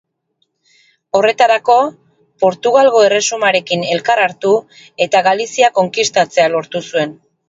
Horretarako, Portugalgo Erresumarekin elkar hartu, eta Galizia konkistatzea lortu zuen.